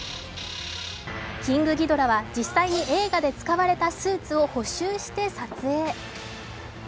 キングギドラは実際に映画で使われたスーツを補修して撮影。